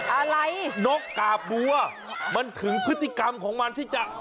อะไรนกกาบบัวมันถึงพฤติกรรมของมันที่จะ